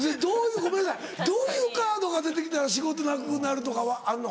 どういうカードが出て来たら仕事なくなるとかあんの？